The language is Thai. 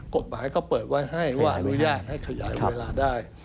กฎหมายก็เปิดไว้ให้ว่าอนุญาตให้ขยายเวลาได้